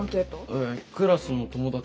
えクラスの友達。